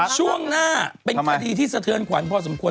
ช่วงหน้าเป็นคดีที่สะเทือนขวัญพอสมควร